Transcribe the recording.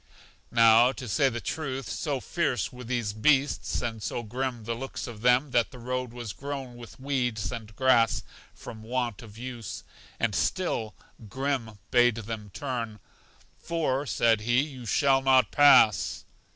Now, to say the truth, so fierce were these beasts, and so grim the looks of them that the road was grown with weeds and grass from want of use. And still Grim bade them turn, For, said he, you shall not pass.